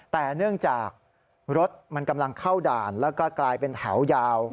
แต่เนื่องจากรถมันกำลังเข้าด่านแล้วก็กลายเป็นแถวยาว